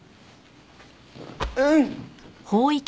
うん！